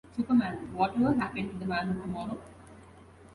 Superman: Whatever Happened to the Man of Tomorrow?